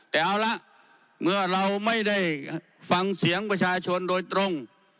แต่เอาละเมื่อเราไม่ได้ฟังเสียงประชาชนโดยตรง